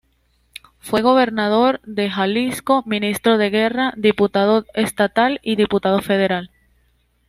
Fue gobernador de Jalisco, ministro de Guerra, diputado estatal y diputado federal.